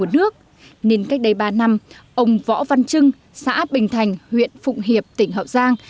nên cách đây ba năm ông võ văn trưng xã bình thành huyện phụng hiệp tỉnh hậu giang